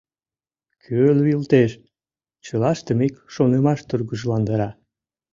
Кӧ лӱйылтеш?» — чылаштым ик шонымаш тургыжландара.